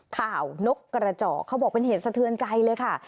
นกกระจอกเขาบอกเป็นเหตุสะเทือนใจเลยค่ะ